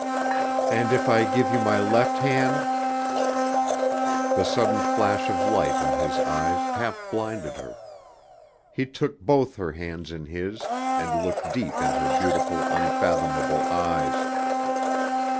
"And if I give you my left hand ?" The sudden flash of light in his eyes half blinded her. He took both her hands in his and looked deep in her beautiful unfathomable eyes.